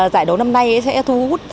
giải đấu năm nay sẽ thu hút rất là nhiều người